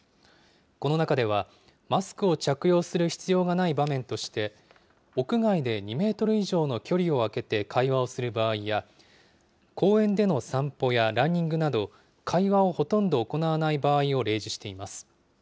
この中では、マスクを着用する必要がない場面として、屋外で２メートル以上の距離を空けて会話をする場合や、公園での散歩やランニングなど、会話をほとんど行わない場合を例示しています。